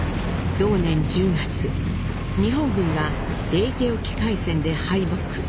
同年１０月日本軍がレイテ沖海戦で敗北。